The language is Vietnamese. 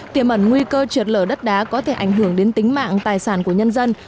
tiềm ẩn nguy cơ trượt lở đất đá có thể ảnh hưởng đến tính mạng tài sản của nhân dân